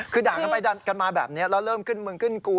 คือด่ากันไปดันกันมาแบบนี้แล้วเริ่มขึ้นมึงขึ้นกู